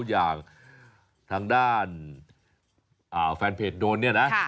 อย่างทางด้านแฟนเพจโดนเนี่ยนะ